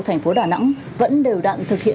thành phố đà nẵng vẫn đều đặn thực hiện